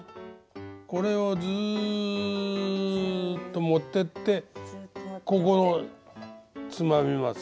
これをずっと持ってってここをつまみます。